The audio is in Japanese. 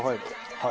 はい。